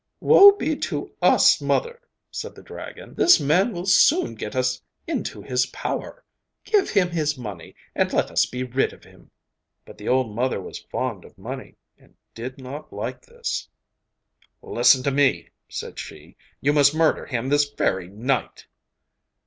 'Woe be to us, mother,' said the dragon; 'this man will soon get us into his power. Give him his money, and let us be rid of him.' But the old mother was fond of money, and did not like this. 'Listen to me,' said she; 'you must murder him this very night.